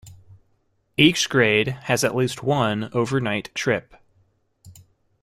Each grade has at least one overnight trip.